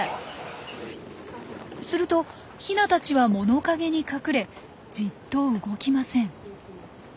するとヒナたちは物陰に隠れじっと動きません。